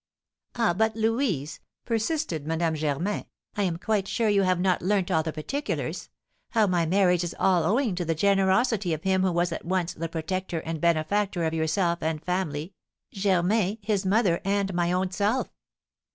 "Ah, but Louise," persisted Madame Germain, "I am quite sure you have not learnt all the particulars; how my marriage is all owing to the generosity of him who was at once the protector and benefactor of yourself and family, Germain, his mother, and my own self."